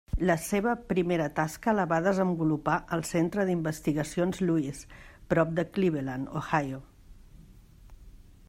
La seva primera tasca la va desenvolupar al Centre d'Investigacions Lewis, prop de Cleveland, Ohio.